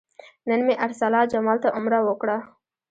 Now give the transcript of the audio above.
نن مې ارسلا جمال ته عمره وکړه.